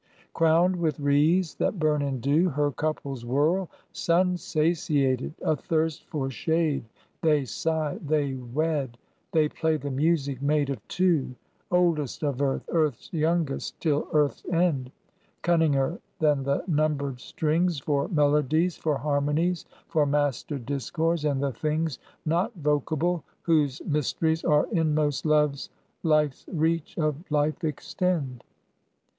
Crowned with wreaths that burn in dew, Her couples whirl, sun satiated, Athirst for shade, they sigh, they wed, They play the music made of two: Oldest of earth, earth's youngest till earth's end: Cunninger than the numbered strings, For melodies, for harmonies, For mastered discords, and the things Not vocable, whose mysteries Are inmost Love's, Life's reach of Life extend.